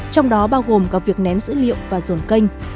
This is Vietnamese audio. trong đó bao gồm các việc nén dữ liệu và dồn kênh